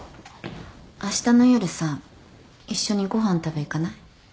あしたの夜さ一緒にご飯食べ行かない？